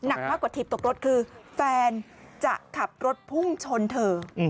หนักมากกว่าถีบตกรถคือแฟนจะขับรถพุ่งชนเธอ